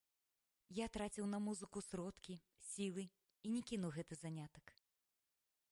Я траціў на музыку сродкі, сілы, і не кіну гэты занятак.